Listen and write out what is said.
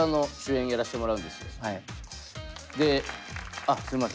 あっすんません